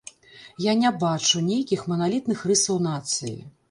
Я не бачу нейкіх маналітных рысаў нацыі.